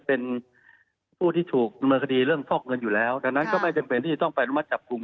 เป็นผู้ที่ถูกดำเนินคดีเรื่องฟอกเงินอยู่แล้วดังนั้นก็ไม่จำเป็นที่จะต้องไปอนุมัติจับกลุ่ม